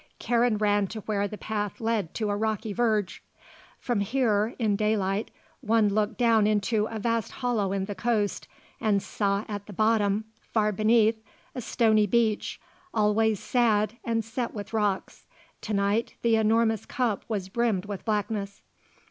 Karen ran to where the path led to a rocky verge. From here, in daylight, one looked down into a vast hollow in the coast and saw at the bottom, far beneath, a stony beach, always sad, and set with rocks. To night the enormous cup was brimmed with blackness.